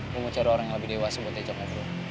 gua mau cari orang yang lebih dewasa buat tecah metro